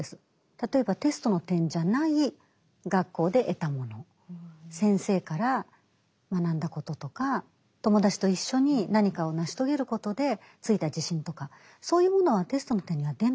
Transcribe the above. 例えばテストの点じゃない学校で得たもの先生から学んだこととか友達と一緒に何かを成し遂げることでついた自信とかそういうものはテストの点には出ない。